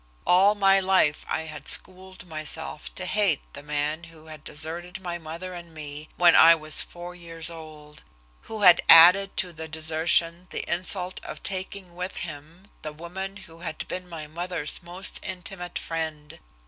All my life I had schooled myself to hate the man who had deserted my mother and me when I was four years old, who had added to the desertion the insult of taking with him the woman who had been my mother's most intimate friend.